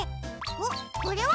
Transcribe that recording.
おっこれは？